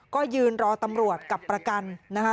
ก็ยืนรอตำรวจกับประกันนะคะ